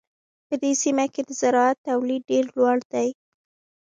په دې سیمه کې د زراعت تولیدات ډېر لوړ دي.